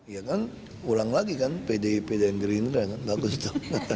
ya kan ulang lagi kan pdi pdi girindra bagus tuh